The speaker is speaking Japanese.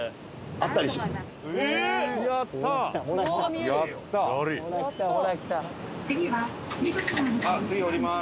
あっ次降ります。